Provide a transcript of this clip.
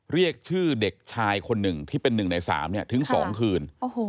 เรียกชื่อเด็กชายคนหนึ่งที่เป็น๑ใน๓ถึง๒คืน